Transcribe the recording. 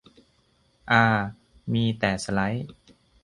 อา มีแต่สไลด์